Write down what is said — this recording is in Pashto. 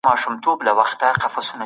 هغه په روڼ اندۍ باور درلود.